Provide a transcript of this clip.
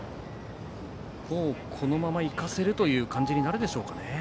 もうこのままいかせるという感じになるでしょうかね。